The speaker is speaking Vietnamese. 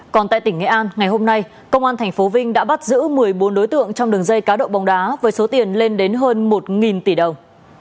còn tại tỉnh nghệ an ngày hôm nay công an tp vinh đã bắt giữ một mươi bốn đối tượng trong đường dây cá độ bóng đá với số tiền lên đến hơn một tỷ đồng